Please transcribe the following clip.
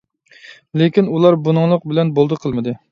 لېكىن ئۇلار بۇنىڭلىق بىلەن بولدى قىلمىدى.